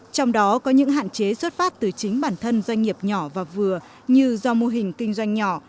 trong đó có những hạn chế xuất phát từ chính bản thân doanh nghiệp nhỏ và vừa như do mô hình kinh doanh nhỏ